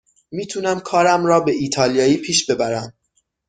می تونم کارم را به ایتالیایی پیش ببرم.